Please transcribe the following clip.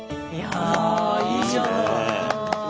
あらいいじゃない。